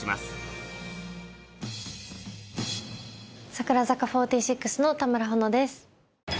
櫻坂４６の田村保乃です。